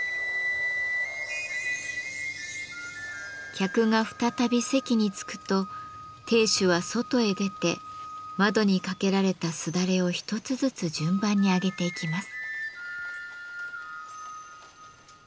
客が再び席に着くと亭主は外へ出て窓に掛けられたすだれを一つずつ順番に上げていきます。